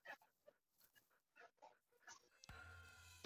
过去为福冈藩与唐津藩之间的唐津街道的宿场町而开始发展。